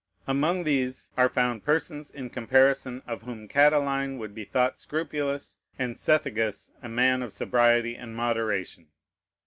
Among these are found persons in comparison of whom Catiline would be thought scrupulous, and Cethegus a man of sobriety and moderation.